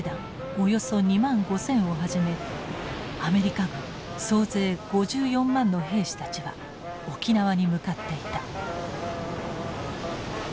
およそ２万５，０００をはじめアメリカ軍総勢５４万の兵士たちは沖縄に向かっていた。